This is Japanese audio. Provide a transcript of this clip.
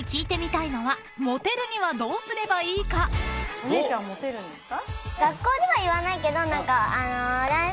お姉ちゃんモテるんですか？